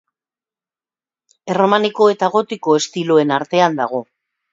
Erromaniko eta gotiko estiloen artean dago.